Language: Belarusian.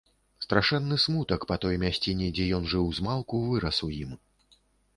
Страшэнны смутак па той мясціне, дзе ён жыў змалку, вырас у ім.